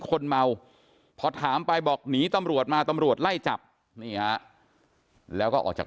คนเมาพอถามไปบอกหนีตำรวจมาตำรวจไล่จับนี่ฮะแล้วก็ออกจาก